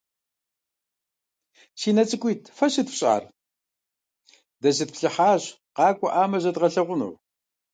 Си нэ цӀыкӀуитӀ, фэ сыт фщӀар? - Дэ зытплъыхьащ, къакӀуэӀамэ зэдгъэлъэгъуну.